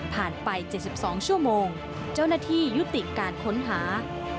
ไป๗๒ชั่วโมงเจ้าหน้าที่ยุติการค้นหา